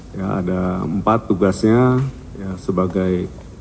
ya ada empat tugasnya sebagai